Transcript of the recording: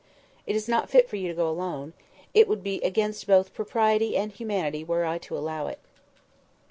"It is not fit for you to go alone. It would be against both propriety and humanity were I to allow it."